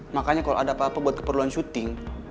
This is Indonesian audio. makanya kalau ada apa apa buat keperluan syuting